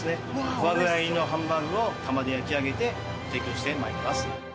フォアグラ入りのハンバーグを窯で焼き上げて提供して参ります。